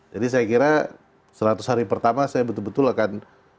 jadi saya kira seratus hari pertama saya betul betul akan